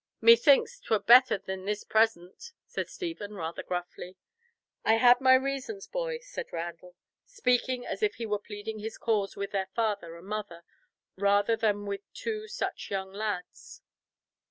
"Methinks 'twere better than this present," said Stephen rather gruffly. "I had my reasons, boy," said Randall, speaking as if he were pleading his cause with their father and mother rather than with two such young lads.